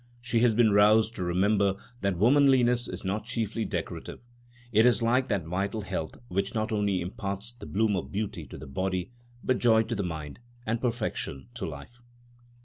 She has been aroused to remember that womanliness is not chiefly decorative. It is like that vital health, which not only imparts the bloom of beauty to the body, but joy to the mind and perfection to life.